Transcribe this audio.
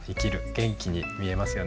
元気に見えますよね。